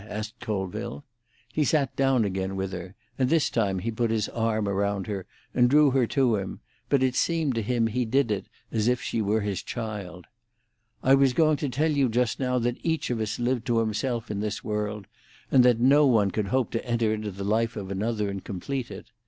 asked Colville. He sat down again with her, and this time he put his arm around her and drew her to him, but it seemed to him he did it as if she were his child. "I was going to tell you just now that each of us lived to himself in this world, and that no one could hope to enter into the life of another and complete it.